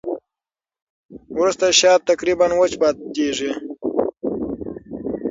وروسته شات تقریباً وچ پاتې کېږي.